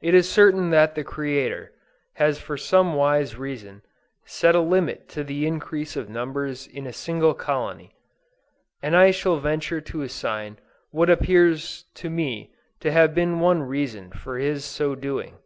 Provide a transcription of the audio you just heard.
It is certain that the Creator, has for some wise reason, set a limit to the increase of numbers in a single colony; and I shall venture to assign what appears to me to have been one reason for His so doing.